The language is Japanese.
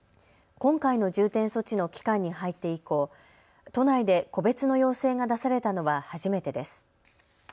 今回の重点措置の期間に入って以降、都内で個別の要請が出されたのは初めてです。